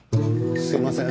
すいません。